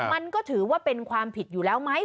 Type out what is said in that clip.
มันก็ถือว่าเป็นความผิดอยู่แล้วไหม